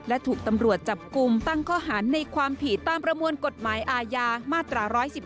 และถูกตำรวจจับกลุ่มตั้งข้อหาในความผิดตามประมวลกฎหมายอาญามาตรา๑๑๒